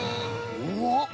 うわっ！